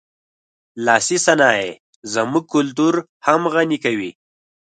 لاسي صنایع زموږ کلتور هم غني کوي.